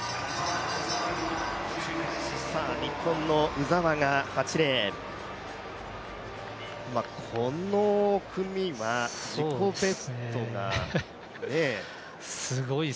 日本の鵜澤が８レーン、この組は自己ベストがねえ。